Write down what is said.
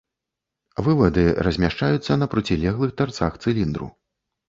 Вывады размяшчаюцца на процілеглых тарцах цыліндру.